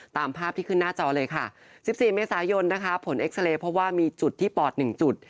ตามภาพที่ขึ้นหน้าจอเลยค่ะ๑๔เมษายนนะคะผลเอ็กซาเรย์เพราะว่ามีจุดที่ปอด๑จุด